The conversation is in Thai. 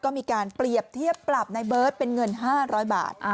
ก็มีการเปรียบเทียบปรับในเบิร์ตเป็นเงิน๕๐๐บาท